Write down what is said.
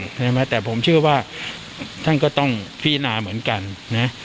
ใช่ไหมแต่ผมเชื่อว่าท่านก็ต้องพิจารณาเหมือนกันนะ